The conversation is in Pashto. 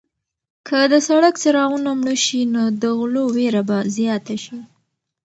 که د سړک څراغونه مړه شي نو د غلو وېره به زیاته شي.